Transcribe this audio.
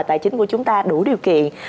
tài chính của chúng ta đủ điều kiện